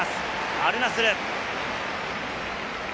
アルナスル。